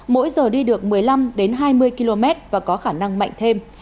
mỗi giờ đi được một mươi năm hai mươi km và có khả năng mạnh thêm